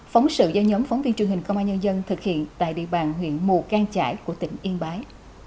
phóng sự do nhóm phóng viên truyền hình công an nhân dân thực hiện tại địa bàn huyện mù cang trải của tỉnh yên bái